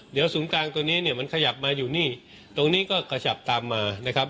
เดี๋ยวศูนย์กลางตัวนี้เนี่ยมันขยับมาอยู่นี่ตรงนี้ก็ขยับตามมานะครับ